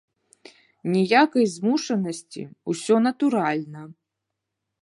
Ніякай змушанасці, усё натуральна.